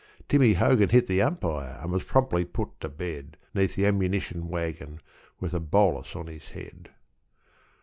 Timmy Hogan hit the umpire, and was promptly put to bed 'Neath the ammunition waggon, with a bolus on his head.